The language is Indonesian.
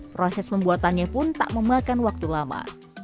proses pembuatannya pun tak memakan waktu lama